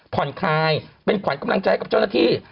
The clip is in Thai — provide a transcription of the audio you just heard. ผ่อนคลายเป็นขวัญกำลังใจกับเจ้าหน้าที่